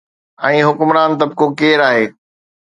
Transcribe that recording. ۽ حڪمران طبقو ڪير آهي.